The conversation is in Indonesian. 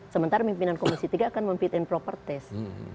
sementara pimpinan komisi tiga akan memfit and proper test